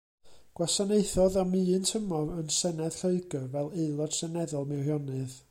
Gwasanaethodd am un tymor yn Senedd Lloegr fel Aelod Seneddol Meirionnydd.